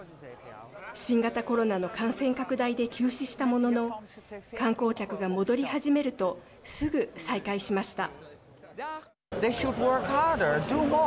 新型コロナの感染拡大で休止したものの観光客が戻り始めるとすぐ再開しました。